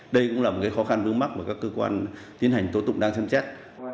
đây cũng là một khó khăn vướng mắt của các cơ quan tiến hành tố tụ đang xem xét